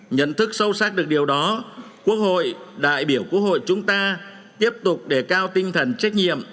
nhận thức sâu sắc được điều đó quốc hội đại biểu quốc hội chúng ta tiếp tục đề cao tinh thần trách nhiệm